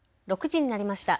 ６時になりました。